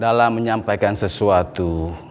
dalam menyampaikan sesuatu